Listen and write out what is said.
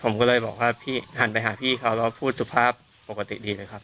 ผมก็เลยบอกว่าพี่หันไปหาพี่เขาแล้วพูดสุภาพปกติดีเลยครับ